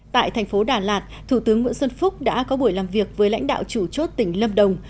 tại thành phố đà lạt thủ tướng nguyễn xuân phúc đã có buổi làm việc với lãnh đạo chủ chốt tỉnh lâm đồng